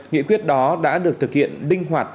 nghị quyết đó đã được thực hiện đinh hoạt